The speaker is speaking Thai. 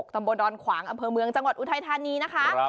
ตำบลดอนขวางอำเภอเมืองจังหวัดอุทัยธานีนะคะ